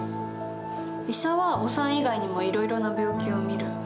医者はお産以外にもいろいろな病気を診る。